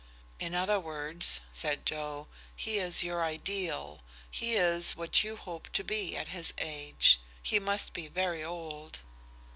"In other words," said Joe, "he is your ideal. He is what you hope to be at his age. He must be very old."